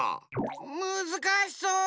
むずかしそう。